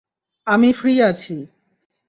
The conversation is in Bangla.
আমি ফ্রি আছি।